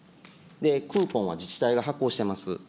クーポンは自治体が発行してます。